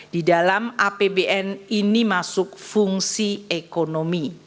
di dalam apbn ini masuk fungsi ekonomi